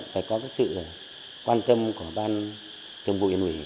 phải có sự quan tâm của ban thường vụ huyện ủy